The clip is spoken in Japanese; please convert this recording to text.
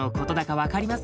分かります？